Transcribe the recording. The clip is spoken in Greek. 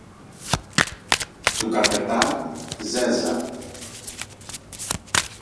του καπετάν-Ζέζα